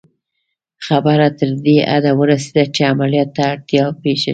خبره تر دې حده ورسېده چې عملیات ته اړتیا پېښه شوه